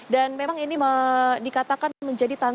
dan memang ini dikatakan menjadi tantangan